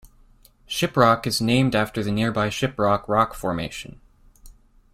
Shiprock is named after the nearby Shiprock rock formation.